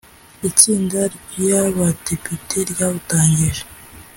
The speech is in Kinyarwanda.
itsinda ry Abadepite ryawutangije